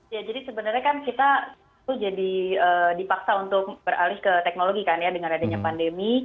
ya jadi sebenarnya kan kita jadi dipaksa untuk beralih ke teknologi kan ya dengan adanya pandemi